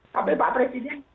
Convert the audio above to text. sampai pak presiden